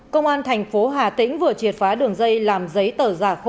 công an tp hà tĩnh vừa triệt phá đường dây làm giấy tờ giả khô